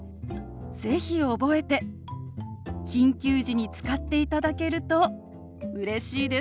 是非覚えて緊急時に使っていただけるとうれしいです。